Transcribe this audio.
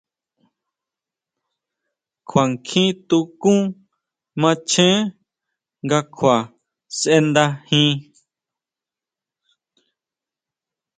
Kjua kjí tukún macheén nga kjua sʼendajin.